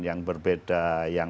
yang berbeda yang